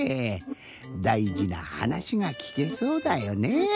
だいじなはなしがきけそうだよね。